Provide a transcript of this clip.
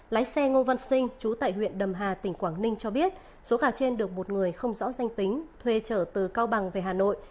lái xe ngô văn sinh trú tại huyện đầm hà tỉnh quảng ninh cho biết số gà trên được một người không rõ danh tính thuê trở từ cao bằng về hà nội